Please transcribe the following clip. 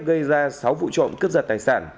gây ra sáu vụ trộm cướp giật tài sản